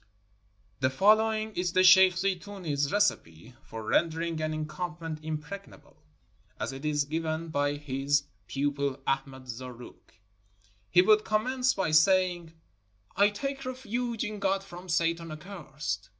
The following is the sheikh Zeetoonee's recipe for ren dering an encampment impregnable, as it is given by his 317 NORTHERN AFRICA pupil Ahmad Zarrook. He would commence by saying, "I take refuge in God from Satan accursed."